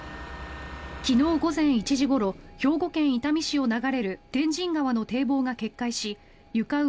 昨日午前１時ごろ兵庫県伊丹市を流れる天神川の堤防が決壊し床上・